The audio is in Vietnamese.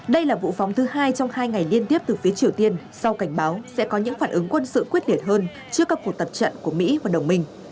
đây là vụ phóng thứ hai trong hai ngày liên tiếp từ phía triều tiên sau cảnh báo sẽ có những phản ứng quân sự quyết liệt hơn trước các cuộc tập trận của mỹ và đồng minh